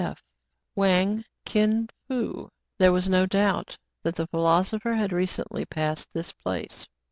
K F. Wang, Kin Fo. There was no doubt that the philosopher had recently passed this place.